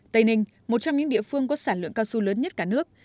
tây ninh một trong những địa phương có sản lượng cao su lớn nhất cả nước